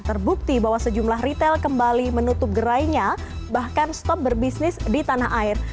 terbukti bahwa sejumlah retail kembali menutup gerainya bahkan stop berbisnis di tanah air